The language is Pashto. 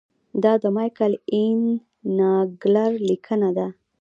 دا د مایکل این ناګلر لیکنه ده.